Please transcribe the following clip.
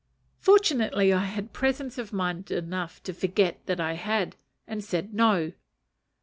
Fortunately I had presence of mind enough to forget that I had, and said, "No."